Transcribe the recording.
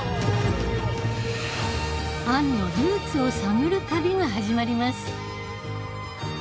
アンのルーツを探る旅が始まります